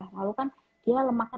lalu kan dia lemaknya